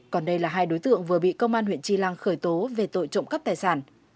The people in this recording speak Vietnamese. còn đây là hai đối tượng vừa bị công an huyện tri lăng khởi tố về tội trộm cắp tài sản